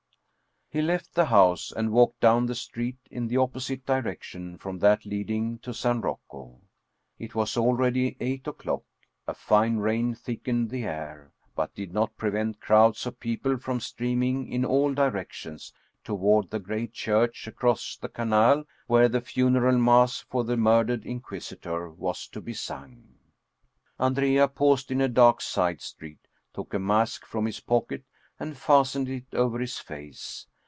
He left the house and walked down the street in the opposite direction from that leading to San Rocco. It was already eight o'clock; a fine rain thickened the air, but did not prevent crowds of people from streaming in all 68 Paul Heyse directions toward the great church across the canal where the funeral mass for the murdered Inquisitor was to be sung. Andrea paused in a dark side street, took a mask from his pocket and fastened it over his face.